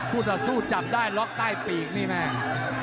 ต่อสู้จับได้ล็อกใต้ปีกนี่แม่